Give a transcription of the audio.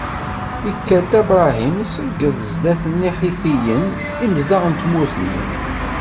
Ikker Dda Bṛahim iseǧǧed zdat n Iḥitiyen, imezdaɣ n tmurt-nni.